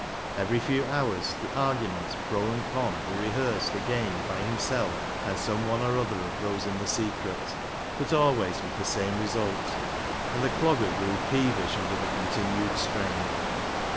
Every few hours the arguments/;'^ and con were rehearsed again by himself and some one or other of those in the secret, but always with the same result, and the Clogger grew peevish under the con tinued strain.